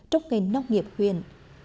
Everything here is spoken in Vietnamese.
trong nghề nông nghiệp huyện